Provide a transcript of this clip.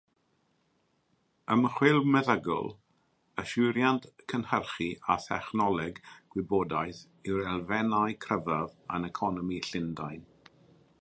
Ymchwil meddygol, yswiriant, cynhyrchu a thechnoleg gwybodaeth yw'r elfennau cryfaf yn economi Llundain.